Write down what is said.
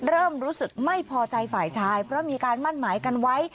เริ่มรู้สึกไม่พอใจฝ่ายชายเพราะมีการมั่นหมายกันไว้